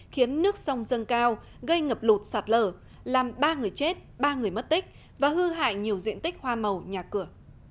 khiến nước sông dâng cao gây ngập lụt sạt lở làm ba người chết ba người mất tích và hư hại nhiều diện tích hoa màu nhà cửa